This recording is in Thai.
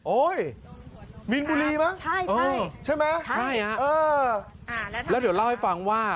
มีนบุรีมั้งใช่ใช่ไหมใช่ฮะเออแล้วเดี๋ยวเล่าให้ฟังว่า